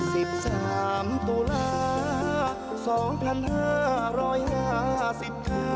สิบสามตุลาสองพันห้าร้อยห้าสิบห้า